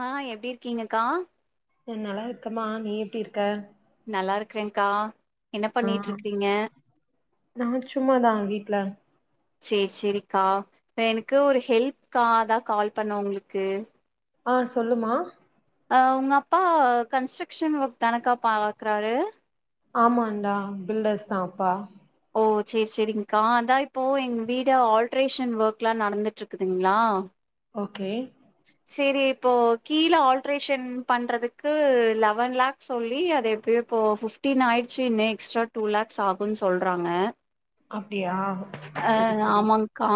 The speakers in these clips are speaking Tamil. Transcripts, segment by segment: ஆ எப்டி இருக்கீங்கக்கா நா நல்லா இருக்கமா நீ எப்டி இருக்க நல்லாருக்றேன் கா ஆ நா சும்மாதா வீட்ல செரி செரிக்கா இப்ப எனக்கு ஒரு ஹெல்ப்கா அதா கால் பண்ண உங்களுக்கு ஆ சொல்லுமா ஆ உங்கப்பா கன்ஸ்ட்ரக்ஷன் ஒர்க் தானக்கா பாக்றாரு ஆமாண்டா பில்டர்ஸ்தா அப்பா ஓ சேரி சேரிங்க்கா அதான் இப்போ எங்க வீடு ஆல்ட்ரேஷன் ஒர்க்லா நடந்துட்டுருக்குதுங்களா ஓகே சரி இப்போ கீழ ஆல்ட்ரேஷன் பண்றதுக்கு லெவன் லேக் சொல்லி அது எப்படியோ இப்போ பபிப்டீன் ஆயிடுச்சு இன்னு எக்ஸ்ட்ரா டூ லேக்ஸ் ஆகுன்னு சொல்றாங்க அப்டியா சரி சரி கா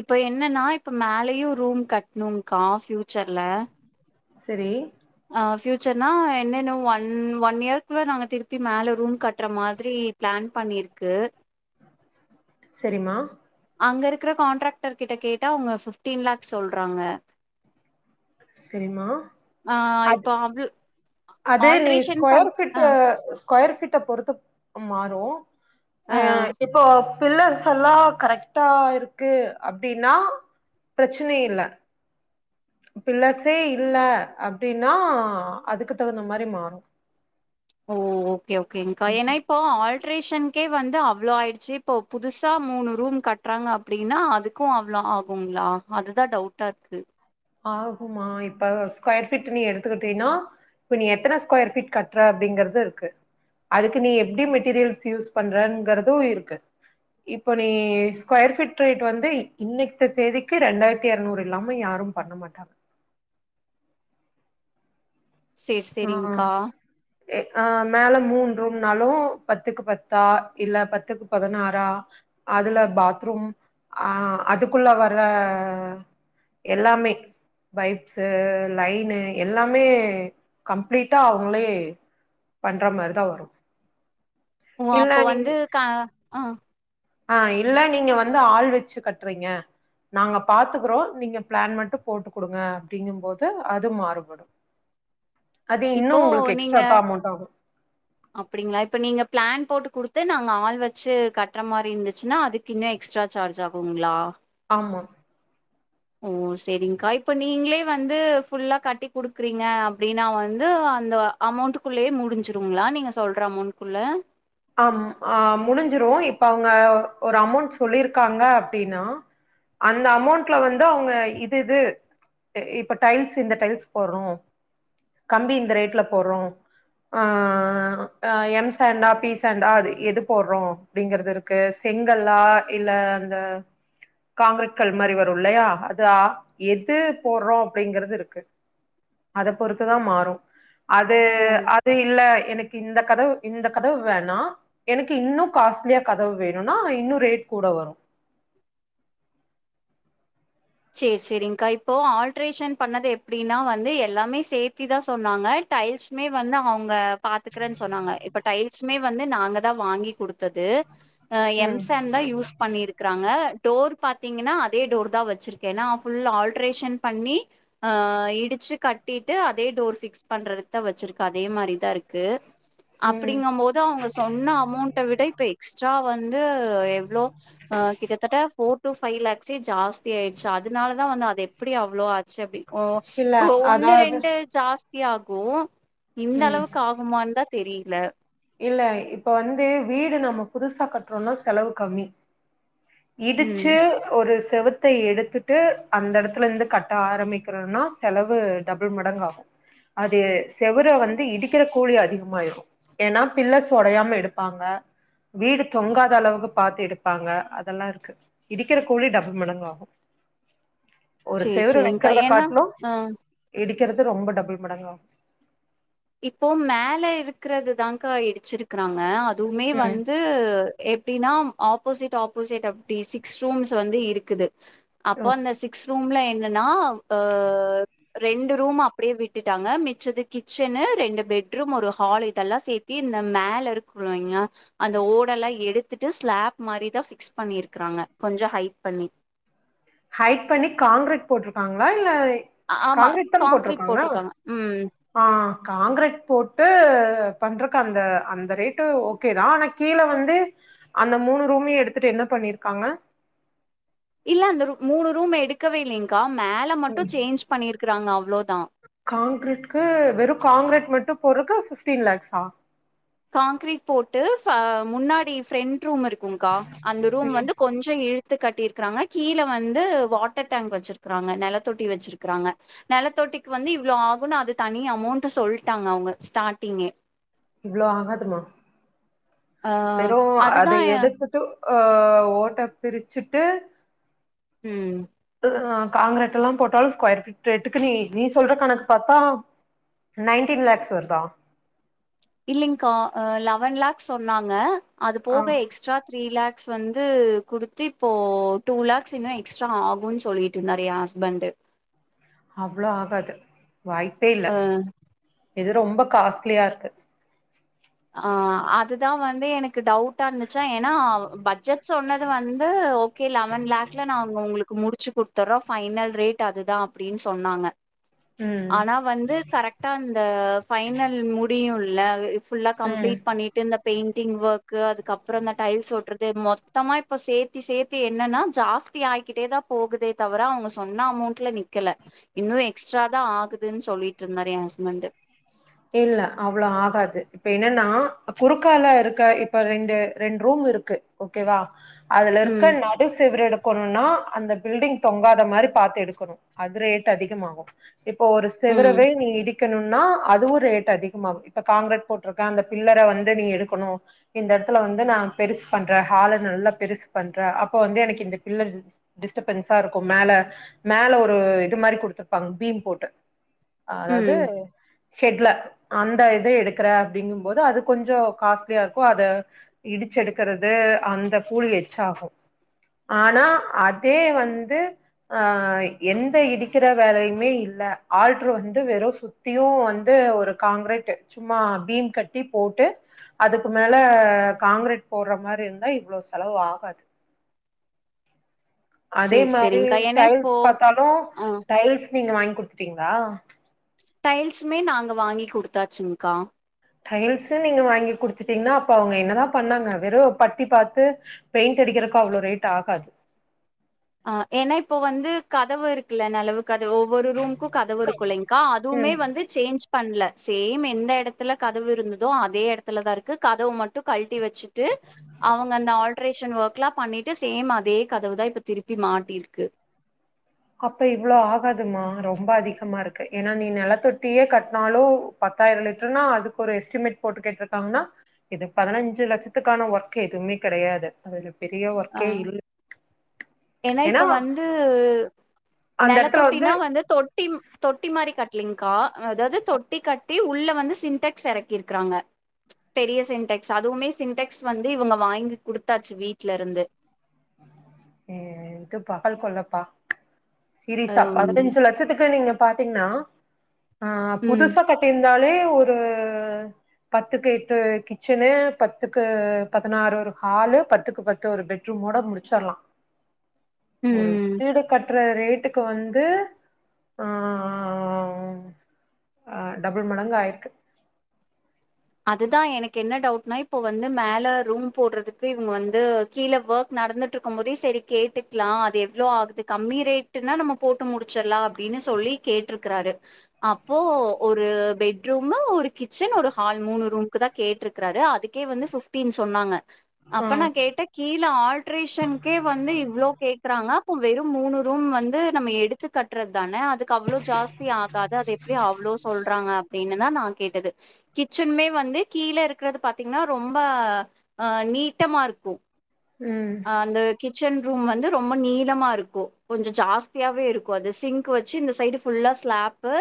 இப்ப என்னன்னா இப்ப மேலயும் ரூம் கட்ணுங்கா ஃபியூச்சர்ல சரி ஆ பியூச்சர்னா என்னன்ன ஒன் ஒன் இயர்க்குள்ள நாங்க திருப்பி மேல ரூம்‌ கட்ற மாதிரி பிளான் பண்ணிருக்கு சரி மா அங்க இருக்கற கான்ட்ராக்டர் கிட்ட கேட்டா அவங்க பிப்டீன் லேக்ஸ் சொல்றாங்க சரிமா ஆ அது இப்போ அவ் அது நீ ஆல்ட்ரேஷன் பண் ஸ்கொயர் ஆ ஃபீட்ல ஸ்கொயர் பீட்ட பொறுத்து மாறு ஆ இப்போ பில்லர்ஸ் எல்லா கரெக்டா இருக்கு அப்டின்னா பிரச்சனை இல்ல பில்லர்சே இல்ல அப்டின்னா அதுக்கு தகுந்த மாரி மாறும் ஓ ஓகே ஓகேங்க்கா ம் ஏனா இப்போ ஆள் ஆல்ட்ரேஷனுக்கே ‌வந்து அவ்ளோ ஆயிடுச்சு இப்ப புதுசா மூணு ரூம் கட்டுறாங்க அப்படின்னா அதுக்கு க்கும் அவ்ளோ ஆகுங்களா அதுதா டவுட்டா இருக்கு ஆகுமா இப்ப ஸ்கொயர் ஃபீட் நீ எடுத்துக்கிட்டீன்னா இப்ப நீ எத்தன ஸ்கொயர் பீட் கட்ற அப்டிங்கறது இருக்கு அதுக்கு நீ எப்டி மெட்டீரியல்ஸ் யூஸ் பண்றங்கிறதும் இருக்கு இப்போ நீ ஸ்கொயர் ஃபீட் ரேட் வந்து இன்னைக்த்த தேதிக்கு ரெண்டாயிரத்தி இரநூறு இல்லாம யாரும் பண்ண மாட்டாங்க சேரி சேரி்ங்கா எ ஆ மேல மூன்ரூம்னாலும் பத்துக்கு பத்தா இல்ல பத்துக்கு பதனாறா அதுல பாத்ரூம் ஆ அதுக்குள்ள வர்ற எல்லாமே பைப்ஸ் லைனு எல்லாமே கம்ப்ளீட்டா அவங்களே பண்ற மாரி தா வரும் ஓ அப்போ வந்து க ஆ ஆ இல்ல நீங்க வந்து ஆள் வெச்சு கட்றீங்க நாங்க பாத்துக்குறோ நீங்க பிளான் மட்டு போட்டு குடுங்க அப்டிங்கும் போது அது மாறுபடு அது இன்னு இப்போ உங்களுக்கு நீங்க எக்ஸ்ட்ரா தா அமௌண்ட் ஆகு அப்டிங்களா இப்ப நீங்க பிளான் போட்டு குடுத்து நாங்க ஆள் வெச்சு கட்ற மாரி இருந்துச்சுன்னா அதுக் இன்னு எக்ஸ்ட்ரா சார்ஜ் ஆகுங்ளா ஆமா ஓ செரிங்கா இப்ப நீங்களே வந்து ஃபுல்லா கட்டி குடுக்குறீங்க அப்டின்னா வந் து அந்த அமௌண்டக்குள்ளயே முடிஞ்சிருங்களா நீங்க சொல்ற அமௌண்ட்குள்ள ஆம் ஆ முடிஞ்சிரு இப்ப அவங்க ஒரு அமௌண்ட் சொல்லியிருக்காங்க அப்டின்னா அந்த அமௌண்ட்ல வந்து அவுங்க இது இது எ இப்ப டைல்ஸ் இந்த டைல்ஸ் போட்றோ கம்பி இந்த ரேட்ல போட்றோ ஆ எம்ஸ் அண்ட் ஆ பீஸ் ஸாண்டார் எது போடுறோ அப்டிங்கிறது இருக்கு செங்கல்லா இல்ல அந்த காங்கிரீட கல் மாறி வரு இல்லையா அதா எது போடுறோ அப்டிங்கறது இருக்கு அத பொறுத்துதா மாறு ‌ அது ஓ! அது இல்ல எனக்கு இந்த கதவு இந்த கதவு வேணா எனக்கு இன்னு காஸ்ட்லியா கதவு வேணுனா இன்னு ரேட் கூட வரு சேரி செரிங்க்கா இப்போ ஆல்ட்ரேஷன் பண்ணது எப்டின்னா வந்து எல்லாமே சேர்த்தி தா சொன்னாங்க டைல்ஸ்மே வந்து அவுங்க பாத்துக்கறேன்னு சொன்னாங்க இப்ப டைல்ஸ்மே வந்து நாங்க தா வாங்கி குடுத் தது அ ம் எம்சான்தா யூஸ் பண்ணிருக் குறாங்க டோர் பாத்தீங்கன்னா அதே டோர் தா வெச்சிருக்கே எனா ஃபுல் ஆல்ட்ரேஷன் பண்ணி ஆ இடிச்சி கட்டிட்டு அதே டோர் ஃபிக்ஸ் பண்றதுக்குதா வெச்சிருக்க அதே மாரிதா இருக்கு [inaudible] அப்டிங்கமோது அவுங்க சொன்ன அமோண்ட விட இப்ப எக்ஸ்ட்ரா வந்து எவ்ளோ ஆ கிட்டத்தட்ட ஃபோர் டு ஃபைவ் லேக்ஸ்ஸே ஜாஸ்தி ஆயிச்சு அதனாலதா வந்து அது எப்டி அவ்ளோ ஆ சபி ஓ இல்ல இப்பொ ஒன்னு அதாவது ரெண்டு ஜாஸ்தி ஆகு இந்த ம் அளவுக்கு ஆகுமானுதா தெரில இல்ல இப்ப வந்து வீடு நம்ம புதுசா கட்டுறோனா செலவு கம்மி ம் இடிச்சி ஒரு செவுத்த எடுத்துட்டு அந்த எடத்துல இருந்து கட்ட ஆரம்பிக்குறோனா செலவு டபுள் மடங்காகு அது செவுற வந்து இடிக்கிற கூலி அதிகமாயிரு ஏன்னா பில்லர்ஸ் ஒடையாம எடுப்பாங்க வீடு தொங்காத அளவுக்கு பாத்து எடுப்பாங்க அதெல்லா இருக்கு இடிக்குற கூலி டபுள் மடங்காகு ஒரு சேரி செவுறு சேரி்கா ஏன்னா வைக்குறதகாடிலு ம் இடிக்குறது ரொம்ப டபுள் மடங்காகு இப்போ மேல இருக்குறதுதாங்கா இடிச்சிருக்குறாங்க அதும்மே வந்து ம் து எப்டினா ஆப்போசிட் ஆப்போசிட் அப்டி சிக்ஸ் ரூம்ஸ் வந்து இருக்குது அப்பொ அந்த சிக்ஸ் ரூம்ல என்னன்னா ஆ ரெண்டு ரூமா அப்டியே விட்டுட்டாங்க மிச்சதுக்கி ச்சுன்னு ரெண்டு பெட்ரூம் ஒரு ஹால் இதெல்லா சேர்த்தி இந்த மேல இருக்குலைங்க அந்த ஓடல்லா எடுத்துட்டு ஸ்லாப் மாரிதா ஃபிக்ஸ் பண்ணிருக்குறாங்க கொஞ்சோ ஹைட் பண்ணி ஹைட் பண்ணி காங்க்கிரீட் போட்டிருக்காங்களா இல்ல அ ஆமா காங்க்ரீட் போட்ருக்காங்க ம் ஆ காங்க்ரீட் போடு பண்றக்கு அந்த அந்த ரேட்டு ஒக் ஒகே தா ஆனா கீழே வந்து அந்த மூணு ரூமையு எடுத்துட்டு என்ன பண்ணிருக்காங்க இல்ல அந்த ரூ மூணு ரூம் எடுக்கவே இல்லங்க்கா மேல மட்டு சேஞ்ச் பண்ணிருக்குறாங்க அவ்ளோதா காங்க்ரீட்கு வெறு காங்க்ரீட் மட்டு போட்ரக்கு ஃபிஃப்டீன் லேக்ஸா காங்க்ரீட் போட்டு ஃப முன்னாடி ஃபிரண்ட் ரூம் இருக்குங்க்கா அந்த ரூம் ம் வந்து கொஞ்சொ ஏ த்து கட்டிருக்குறாங்க கீழ வந்து வாட்டர் டேங்க் வச்சிருக்குறாங்க நெலத்தொட்டி வச்சிருக்குறாங்க நெலத்தொட்டிக்கு வந்து இவ்ளோ ஆகுன் அது தனி அமோண்ட்டு சொல்ட்டாங்க அவ்ங்க ஸ்டாடிங்கே இவ்ளோ ஆகாதுமா ஆ வெறு அத அதுதா எடுத்துட்டு அ ஓட்ட பிரிச்சுட்டு ம் இது அ காங்ரெட்டுலா போடாலு ஸ்கொயர் ஃபீட் ரேட்டுக்கு நீ நீ சொல்ற கணக்கு பாத்தா நைன்டீன் லேக்ஸ் வருதா இல்லிங்க்கா அ லெவன் லேக்ஸ் சொன்னாங்க அது ஆ போக எக்ஸ் ட்ரா த்ரீ லேக்ஸ் வந்து குடுத்து இப்போ டூ லேக்ஸ் இன்னு எக்ஸ்ட்ரா ஆகுன் சொல்லி ட்ருந்தாரு என் ஹஸ்பண்டு அவ்ளோ ஆகாது வாய்ப்பே இல்ல அ இது ரொம்ப காஸ்ட்லியா இருக்கு ஆ அதுதா வந்து எனக்கு டவ் ட்டா இருந்துச்சா ஏனா பட்ஜெட் சொன்னது வந்து ஓகே லெவன் லாக்ல நாங்க உங்ளுக்கு முடிச்சு குட்த்துறோ ஃபைனல் ரேட் அதுதா அப்டின் சொன்னாங்க ம் ஆனா வந்து கரெக்ட்டா அந்த ஃபைனல் முடியுல அது ஃபுல்லா ம் கம்ப்ளீட் பண்ணிட்டு இந்த பெய்ண்டிங் ஒர்க்கு அதுக்கப்றோ இந்த டைல்ஸ் ஒட்றது மொத்தமா இப்ப சே த்து சேத்து என்னனா ஜாஸ்தி ஆய்கிட்டேதா போகுதே தவுர அவ்ங்க சொன்ன அமோண்ட்ல நிக்கல இன்னு எக்ஸ்ட்ராதா ஆகுதுன் சொல்லிட்ருந்தாரு என் ஹஸ்பண்டு இல்ல அவுளோ ஆகாது இப்ப என்னனா குறுக்கால இருக்க இப்ப ரெண்டு ரெண் ரூம் இருக்கு ஓகேவா அதுல இருக்க ம் ந டு செவுரு எடுக்கணுனா அந்த பில்டிங் தொங்காத மாரி பாத்து எடுக்கணு அது ரேட் அதிகமாகு இப்ப ஒரு ம் செவுரவே நீ இடிக்கணுனா அதுவு ரேட் அதிகமாகு இப்ப கான்கீரேட் போட்ருக்கா அந்த பில்லர வந்து நீ எடுக்கணு இந்த எட்த்துல வந்து நா பெருசு பண்ற ஹால்ல நல்லா பெருசு பண்ற அப்போ வந்து எனக்கு இந்த பில்லர் இருக்ஸ் டிஸ்டப்பன்ஸா இருக்கு மேல மேல ஒரு இது மாரி குடுத்துருப்பாங்க பீம் போட்டு ஆ அதாவ்து ம் ஹெட்ல அந்த இத எடுக்குற அப்டிங்கும்போது அது கொஞ்சோ காஸ்ட்லியா இருக்கு அத இடிச்சு எடுக்குறது அந்த ஃபூழ் எக்ஸாகு ஆனா அதே வந்து ஆ எந்த இடிக்கிற வேலையுமே இல்ல ஆல்ட்ரு வந்து வெறு சுத்தியு வந் து ஒரு காங்குரேட்டு சும்மா பீம் கட்டி போட்டு அதுக்கு மேல காங்குரேட் போட்ற மாரி இருந்தா இவுளோ செலவு ஆகாது அதே சேரி மாரி சேரிங்க்கா ஏன்னா டைல்ஸ் இப்போ பாத்தாலு ஆ டைல்ஸ் நீங்க வாங்கி குடுத்துட்டீங்ளா டைல்ஸுமே நாங்க வாங்கி குடுத்தாச்சுங்க்கா டைல்ஸு நீங்க வாங்கி குடுத்துட்டீங்னா அப்ப அவுங்க என்னதா பண்ணாங்க வெறு பத்தி பாத்து பெயிண்ட் அடிக்குறக்கு அவுளோ ரேட் ஆகாது ஆ ஏன்னா இப்போ வந்து கதவு இருக்குல்ல நெலவு கதவு ஒவ்வொரு ரூமுக்கு கதவு இருக்குல்லைங்க்கா அதுவுமே ம் வந்து சேஞ்ச் பண்ணல சேம் எந்த எடத்துல கதவு இருந்ததோ அதே எடத்துலதா இருக்கு கதவு மட்டு கழட்டி வச்சு ட்டு அவ்ங்க அந்த ஆல்ட்ரேஷன் ஒர்க்லா பண்ணிட்டு சேம் அதே கதவுதா இப்ப திருப் பி மாட்டிருக்கு அப்போ இவ்ளோ ஆகாதுமா ரொம்ப அதிகமா இருக்கு ஏனா நீ நெலத்தொட்டியே கட்னாலு பத்தாய்ரோ லிட்டர்னா அதுக்கு ஒரு எஸ்டிமேட் போட்டு கேட்ருக்காங்கனா இது பதினஞ்சு லட்சத்துக்கான ஒர்க் எதுமே கெடையாது அதுல பெரிய ஆ ஒர்க்கே இல்ல ஏன்னா இப்ப ஏனா வந்து நெலத்தொட்டினா வந்து தொட் டிம் தொட்டி மாரி கட்லைங்க்கா அதாவ்து தொட்டி கட்டி உள்ள வந்து சின்டெக்ஸ்ஸு எறக்கிருக்கிறாங்க பெரிய சின்டெக்ஸ்ஸு அதுவுமே சின்டெக்ஸ்ஸு வந்து இவுங்க வாங்கி குடுத்தாச்சு வீட்ல இருந்து ஏ இது பகல் கொள்ளப்பா சீரிய்ஸ்ஸ அம் பதினஞ்சு லட்சத்துக்கு நீங்க பாத்தீங்கன்னா ஆ ம் புதுசா கட்டிருந்தாலே ஒரு பத்துக்கு எட்டு கிச்சனு பத்துக்கு பதினாறு ஒரு ஹாலு பத்துக்கு பத்து ஒரு பெட் ரூமோட முடிச்சிட்லா ஒரு ம் வீடு கட்ற ரேட்டுக்கு வந்து ஆ ஆ டபுள் மடங்கு ஆயிருக்கு அதுதா எனக்கு என்ன டவுட்னா இப்போ வந்து மேல ரூம் போட்றதுக்கு இவுங்க வந்து கீழே ஒர்க் நடந்துட்டு இருக்கு போதே செரி கேட்டுக்கலா அது எவ்வளோ ஆகுது கம்மி ரேட் னா நம்ம போட்டு முடிச்சிட்லா அப்டின்னு சொல்லி கேட்டிருக்குறாரு அப்போ ஒரு பெட் ரூமு ஒரு கிச்சன் ஒரு ஹால் மூணு ரூம்க்கு தா கேட்ருக்குறாரு அதுக்கே வந்து ஃபிப்டீன் சொன்னாங்க ஆ அப்ப நா கேட்டே கீழ ஆல்ட்ரேஷனுக்கே வந்து இவ்ளோ கேக்குறாங்க அப்போ வெறு மூணு ரூம் வந்து நம்ம எடுத்து கட்றது தான அதுக் கு அவ்வளோ ஜாஸ்தி ஆகாது அது எப்டி அவ்வளோ சொல்றாங்க அப்டின்னுதா நா கேட்டது கிச்சனுமே வந்து கீழ இருக்குறது பாத்தீங்கன்னா ரொம்ப ஆ நீட்டமா இருக்கு ம் ஆ வந்து கிச்சன் ரூம் வந்து ரொம்ப நீளமா இருக்கு கொஞ்சோ ஜாஸ்தியாவே இருக்கு அது சிங்க் வச்சு இந்த சைடு ஃபுல்லா ஸ்லாப்பு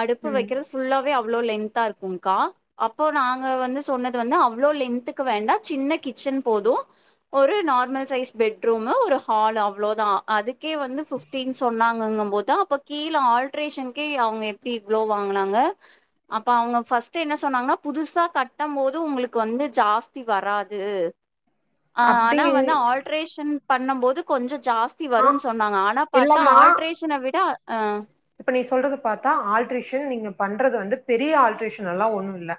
அடுப்பு ம் வைக்கிறது ஃபுல்லாவே அவ்வளோ லென்த்தா இருக்குக் கா அப்போ நாங்க வந்து சொன்னது வந்து அவ்ளோ லென்த்துக்கு வேண்டா சின்ன கிச்சன் போது ஒரு நார்மல் சைஸ்ஸு பெட்ரூமு ஒரு ஹால் அவ்ளோதா அதுக் கே வந்து ஃப்டீன் சொன்னாங்கங்கபோதா அப்ப கீழ ஆல்ட்ரேஷன்கே அவுங்க எப்டி இவ்ளோ வாங்குனாங்க அப்ப அவுங்க ஃபஸ் ட்டு என்ன சொன்னாங்கன்னா கட்டபோது உங்களுக்கு வந்து ஜாஸ்தி வராது ஆ அப்டி ஆனா வந்து ஆல்ட்ரேஷன் பண்ணபோது கொஞ்சோ ஜாஸ் தி ஆ வரும்ன்னு சொன்னாங்க ஆனா பாத்தா இல்லமா ஆல்ட்ரேஷன விட ஆ இப்ப நீ சொல்றது பாத்தா ஆல்ட்ரேஷன் நீங்க பண்றது வந்து பெரிய ஆல்ட்ரேஷன் எல்லா ஒண்ணு இல்ல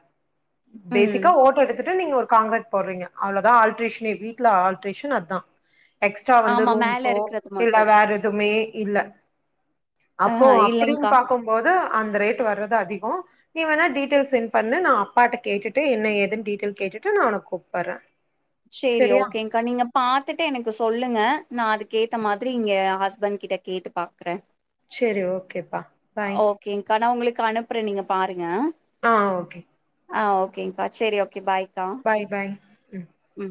ம் பேசிக்கா ஓட்ட எடுத்துட்டு நீங்க ஒரு காங்கரக்ட் போட்றீங்க அவ்ளோதா ஆல்ட்ரேஷன்னே வீட்டுல ஆல்ட்ரேஷன் அதுதா எக்ஸ்ட்ரா வந்து ஆமா மேல ரூம்ஸோ இருக்கறது இல்ல மட்டு. வேற எதுமே இல்ல அ அப்போ அப்டின்னு இல்லைங்க்கா. பாக்கபோது அந்த ரேட் வர்றது அதிகோ நீ வேணா டீடைல் செண்ட் பண்ணு நா அப்பாட்ட கேட்டுட்டு என்ன ஏதுன்னு டீடைல் கேட்டுட்டு நா உனக்கு கூப்பறே [inaudible] சேரி ஓகேங் க்கா நீங்க பாத்துட்டு எனக்கு சொல்லுங்க நா அதுக்கேத்த மாரி இங்க எ ஹஸ்பண்ட் கிட்ட கேட்டு பாக்குற சரி ஓகேப்பா பாய் கேக்ங்கானா உங்களுக்கு அனுப்புறே நீங்க பாருங்க ஆ ஓகே ஆ ஓகேங்க்கா சரி ஓகே பாய் கா பாய் பாய் ம் உம்